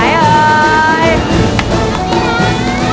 ยิ้มไหนเฮ้อ